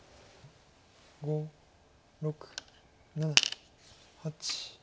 ５６７８。